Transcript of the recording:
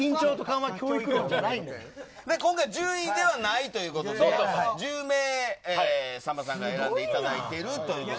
今回順位ではないということで１０名、さんまさんに選んでいただけるという。